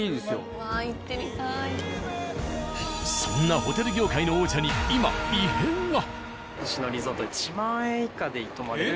そんなホテル業界の王者に今異変が！